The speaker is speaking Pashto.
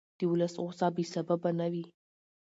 د ولس غوسه بې سببه نه وي